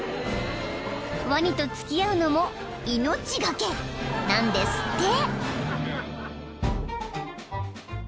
［ワニと付き合うのも命懸けなんですって］